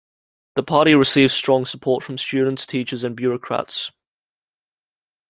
The party received strong support from students, teachers and bureaucrats.